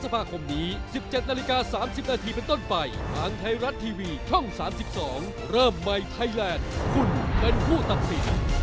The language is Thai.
โปรดติดตามตอนต่อไป